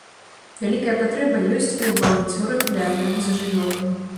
Вялікая патрэба ёсць і ў валанцёрах для дагляду за жывёламі.